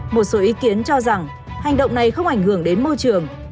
một số ý kiến cho rằng hành động này không ảnh hưởng đến môi trường